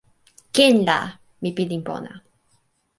ken la, mi pilin pona.